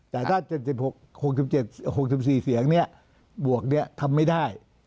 แต่ถ้า๗๖๔เสียงบวกทำไม่ได้